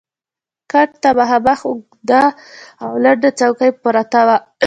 کټ ته مخامخ اوږده او لنډه څوکۍ پرته وه.